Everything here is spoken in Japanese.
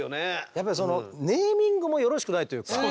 やっぱりそのネーミングもよろしくないというか。